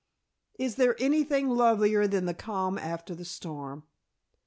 Is there anything lovelier than the calm after the storm?